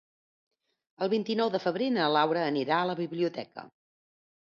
El vint-i-nou de febrer na Laura anirà a la biblioteca.